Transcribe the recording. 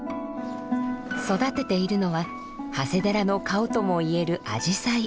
育てているのは長谷寺の顔ともいえるアジサイ。